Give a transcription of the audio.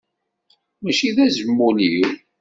Mačči d azmul-iw.